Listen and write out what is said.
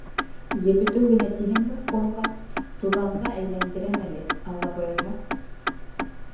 — Ебетеү генә тиһеңме, ҡомға, туҙанға әйләндерәм әле, Алла бойорһа.